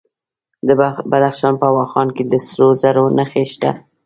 د بدخشان په واخان کې د سرو زرو نښې شته.